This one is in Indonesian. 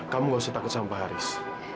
kamu tidak perlu takut sama pak haris